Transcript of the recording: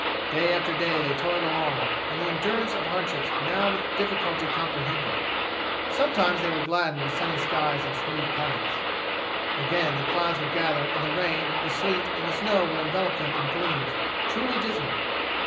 Day after day they toiled along, in the endurance of hardships now with difficulty comprehended. Sometimes they were gladdened with sunny skies and smooth paths. Again the clouds would gather, and the rain, the sleet, and the snow would envelop them in glooms truly dismal.